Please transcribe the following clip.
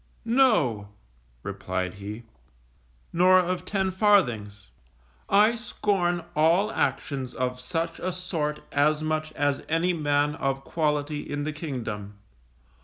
No_, replied he, _nor of ten farthings. I scorn all actions of such a sort as much as any man of quality in the kingdom.